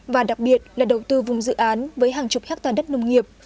và đặc biệt là đầu tư vùng dự án với hàng chục hectare đất nông nghiệp